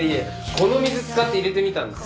この水使って入れてみたんです。